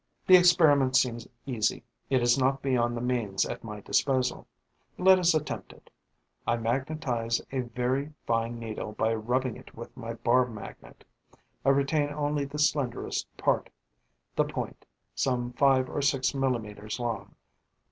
The experiment seems easy; it is not beyond the means at my disposal. Let us attempt it. I magnetise a very fine needle by rubbing it with my bar magnet; I retain only the slenderest part, the point, some five or six millimetres long.